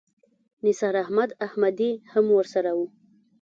نثار احمد احمدي هم ورسره و.